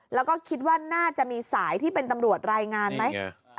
แล้วก็คิดว่าน่าจะมีสายที่เป็นตำรวจรายงานไหม